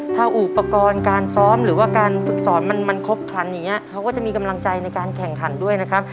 ถ้าอุปกรณ์การซ้อมหรือว่าการฝึกสอนมันครบครันอย่างนี้เขาก็จะมีกำลังใจในการแข่งขันด้วยนะครับ